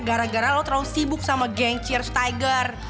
gara gara lo terlalu sibuk sama geng cheers tiger